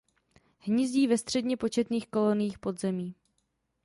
Hnízdí ve středně početných koloniích pod zemí.